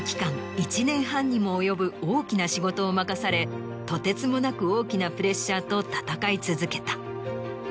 １年半にも及ぶ大きな仕事を任されとてつもなく大きなプレッシャーと闘い続けた。